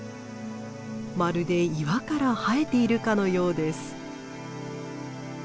まるで岩から生えているかのようです。